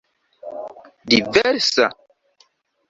diversa